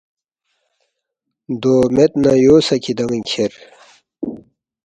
دو مید نہ یو سہ کِھدان٘ی کھیر